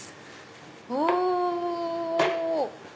お！